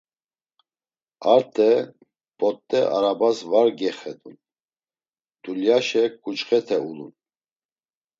Arte p̌ot̆e arabas var gexedun. Dulyaşe ǩuçxete ulun.